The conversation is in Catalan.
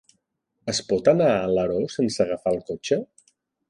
Es pot anar a Alaró sense agafar el cotxe?